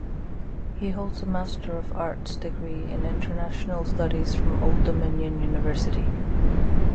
He holds a Master of Arts Degree in International Studies from Old Dominion University.